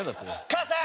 母さん！